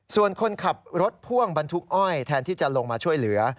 ส่วนคนขับรถพ่วงบรรทุกอ้อยแทนที่จะลงมาช่วยเหลือ